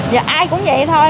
giờ ai cũng vậy thôi